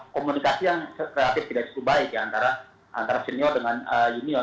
komunikasi yang relatif tidak cukup baik ya antara senior dengan junior